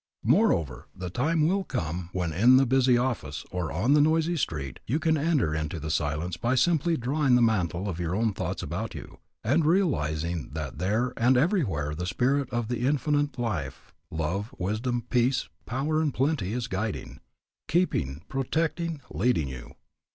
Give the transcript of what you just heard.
Moreover, the time will come when in the busy office or on the noisy street you can enter into the silence by simply drawing the mantle of your own thoughts about you and realizing that there and everywhere the Spirit of Infinite Life, Love, Wisdom, Peace, Power, and Plenty is guiding, keeping, protecting, leading you.